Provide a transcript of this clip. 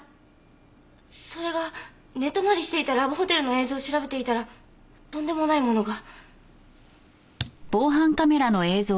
それが寝泊まりしていたラブホテルの映像を調べていたらとんでもないものが。